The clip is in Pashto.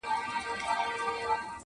تش له بګړیو له قلمه دی، بېدیا کلی دی -